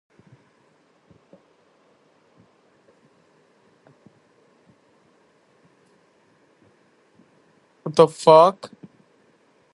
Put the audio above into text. অর্থনৈতিক কারণে মোট প্রতিস্থাপনের উপর একটি হাইব্রিড আপগ্রেড নির্বাচন করা হয়েছিল।